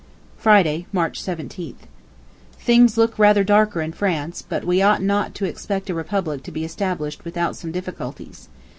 Friday, March 17th. Things look rather darker in France, but we ought not to expect a republic to be established without some difficulties.